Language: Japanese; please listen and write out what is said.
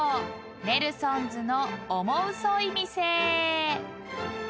ネルソンズのオモウソい店］